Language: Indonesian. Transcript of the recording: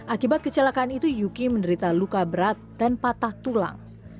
akibat kecelakaan itu yuki menderita luka berat dan patah tulang